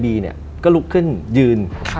บีนี่ก็ลุกขึ้นยืน